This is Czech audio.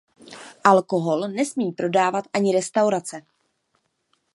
Alkohol nesmí prodávat ani restaurace.